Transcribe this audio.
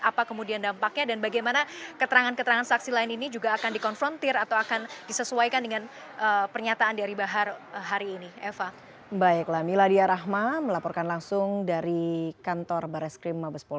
apa kemudian dampaknya dan bagaimana keterangan keterangan saksi lain ini juga akan dikonfrontir atau akan disesuaikan dengan pernyataan dari bahar hari ini